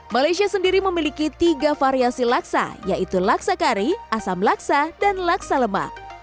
malaysia sendiri memiliki tiga variasi laksa yaitu laksa kari asam laksa dan laksa lemak